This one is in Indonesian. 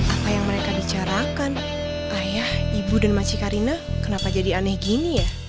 apa yang mereka bicarakan ayah ibu dan macikarina kenapa jadi aneh gini ya